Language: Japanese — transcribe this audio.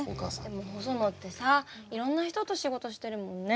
でもホソノってさいろんな人と仕事してるもんね。